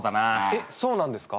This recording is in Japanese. えっそうなんですか？